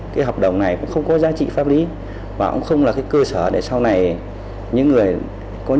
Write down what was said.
cái hợp đồng này cũng không có giá trị pháp lý và cũng không là cơ sở để sau này những người có nhu cầu đi mỹ đòi được tiền